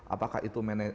apakah itu manajemen